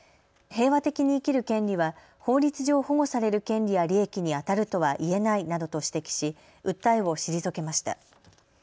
平和的に生きる権利は法律上保護される権利や利益にあたるとは言えないなどと指摘し訴えを退けました。